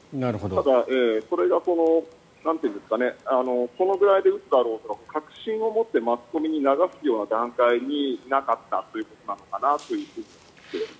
ただ、それがこのぐらいで撃つだろうとか確信を持ってマスコミに流すような段階になかったのかなと。